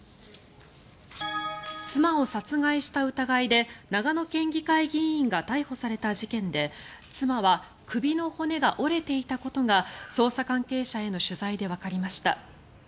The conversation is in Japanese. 妻を殺害した疑いで長野県議会議員が逮捕された事件で妻は首の骨が折れていたことが捜査関係者への取材でわかりました。